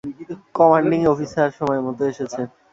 Commanding officer সময়মত এসেছেন।